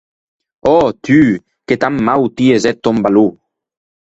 Ò, tu, que tan mau ties eth tòn valor!